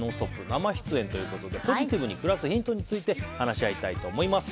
生出演ということでポジティブに暮らすヒントについて話し合いたいと思います。